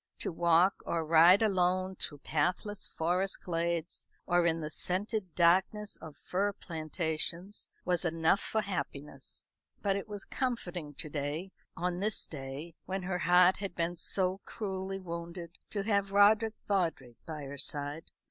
To walk or ride alone through pathless forest glades, or in the scented darkness of fir plantations, was enough for happiness. But it was comforting to day on this day when her heart had been so cruelly wounded to have Roderick Vawdrey by her side.